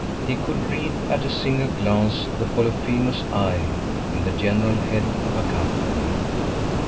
He could read at a single glance the Polyphemus eye in the general head of a company.